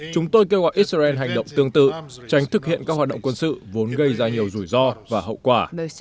chúng tôi kêu gọi israel hành động tương tự tránh thực hiện các hoạt động quân sự vốn gây ra nhiều rủi ro và hậu quả